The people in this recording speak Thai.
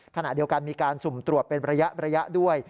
ขณะเดียวกันมีการสุ่มตรวจเป็นระยะด้วย